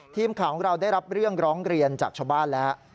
ทีมข่าวของเราได้รับเรื่องร้องเรียนจากชาวบ้านแล้ว